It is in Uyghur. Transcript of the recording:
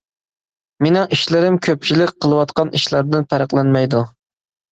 مېنىڭ ئىشلىرىم كۆپچىلىك قىلىۋاتقان ئىشلاردىن پەرقلەنمەيدۇ.